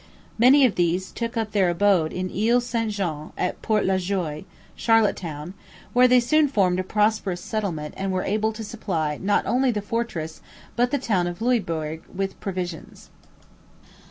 Many of these took up their abode in Ile St Jean at Port La Joie (Charlottetown), where they soon formed a prosperous settlement and were able to supply not only the fortress but the town of Louisbourg with provisions.